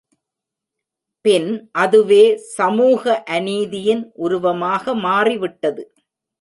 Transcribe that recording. பின் அதுவே சமூக அநீதியின் உருவமாக மாறிவிட்டது.